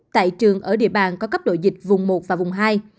tại trường ở địa bàn có cấp độ dịch vùng một và vùng hai